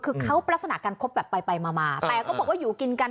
คือเขาลักษณะการคบแบบไปไปมาแต่ก็บอกว่าอยู่กินกัน